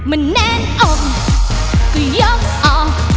มันแน่นอกก็ยกออก